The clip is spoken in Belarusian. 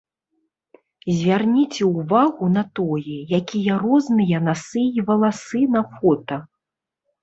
Звярніце ўвагу на тое, якія розныя насы і валасы на фота.